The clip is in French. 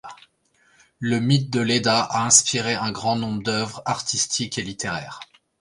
Le mythe de Léda a inspiré un grand nombre d’œuvres artistiques et littéraires.